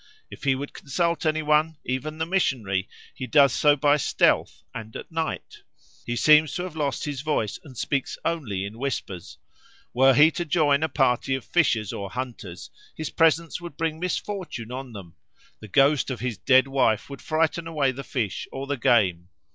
If he would consult any one, even the missionary, he does so by stealth and at night; he seems to have lost his voice and speaks only in whispers. Were he to join a party of fishers or hunters, his presence would bring misfortune on them; the ghost of his dead wife would frighten away the fish or the game.